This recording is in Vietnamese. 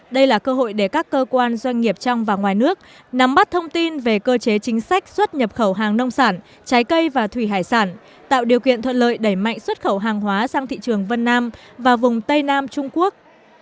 đây là cơ hội để các cơ quan doanh nghiệp trong và ngoài nước nắm bắt thông tin về cơ chế chính sách xuất nhập khẩu hàng nông sản trái cây và thủy hải sản tạo điều kiện thuận lợi đẩy mạnh xuất khẩu hàng hóa sang thị trường vân nam và vùng tây nam trung quốc